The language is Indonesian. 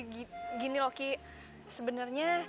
gini lo ki sebenernya